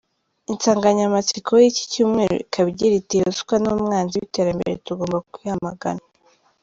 Insanganyamatsiko y’iki cyumweru ikaba igira iti “Ruswa ni umwanzi w’iterambere, tugomba kuyamagana”.